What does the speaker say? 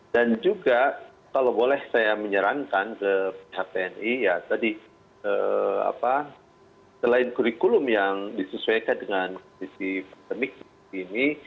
dan juga kalau boleh saya menyerankan ke pihak tni ya tadi selain kurikulum yang disesuaikan dengan kondisi pandemi ini